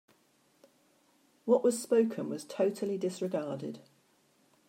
What was spoken was totally disregarded.